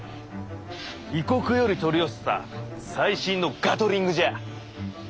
異国より取り寄せた最新のガトリングじゃ。